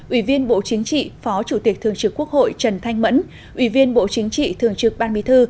ủy viên bộ chính trị phó chủ tịch thường trực quốc hội trần thanh mẫn ủy viên bộ chính trị thường trực ban bí thư